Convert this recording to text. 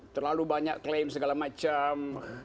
terlalu banyak klaim segala macam